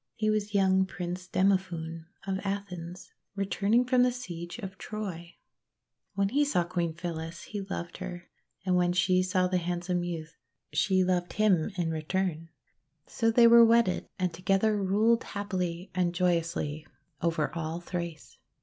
He was young Prince Demophoon of Athens, returning from the siege of Troy. WThen he saw Queen Phyllis, he loved her; and when she saw the handsome youth, she loved 320 THE WONDER GARDEN him in return. So they were wedded, and to gether ruled happily and joyously over all Thrace.